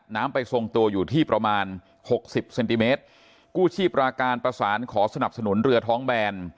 ไปทรงตัวอยู่ที่ประมาณหกสิบเซนติเมตรกู้ชีพราการประสานขอสนับสนุนเรือท้องแบน